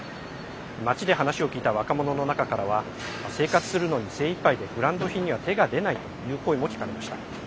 街で話を聞いた若者の中からは生活するのに精いっぱいでブランド品には手が出ないという声も聞かれました。